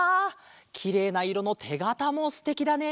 きれいないろのてがたもすてきだね！